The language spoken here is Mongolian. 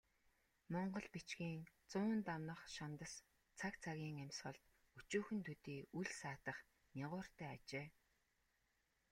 Монгол бичгийн зуун дамнах шандас цаг цагийн амьсгалд өчүүхэн төдий үл саатах нигууртай ажээ.